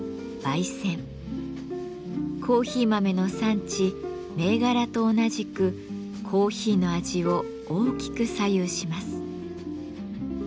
コーヒー豆の産地銘柄と同じくコーヒーの味を大きく左右します。